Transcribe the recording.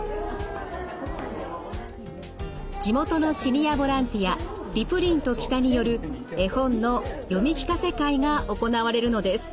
地元のシニアボランティア「りぷりんと・北」による絵本の読み聞かせ会が行われるのです。